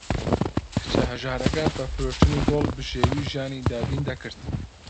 کچە هەژارەکە بە فرۆشتنی گوڵ بژێوی ژیانی دابین دەکرد.